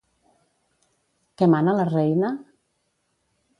Què mana la reina?